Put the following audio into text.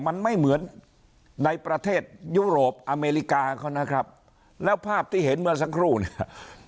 มันไม่เหมือนในประเทศยุโรปอเมริกาเขานะครับแล้วภาพที่เห็นเมื่อสักครู่เนี่ย